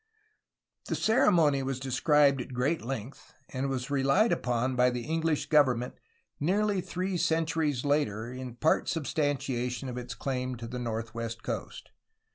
The ceremony was described at great length, and was re lied upon by the English government nearly three centuries later in part substantiation of its claim to the northwest coast.